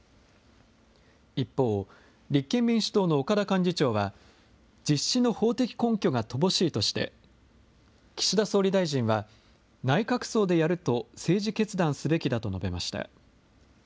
一方、立憲民主党の岡田幹事長は、実施の法的根拠が乏しいとして、岸田総理大臣は内閣葬でやると政治決断すべきだと述べました。